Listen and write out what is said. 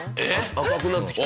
赤くなってきた。